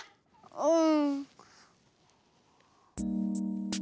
うん。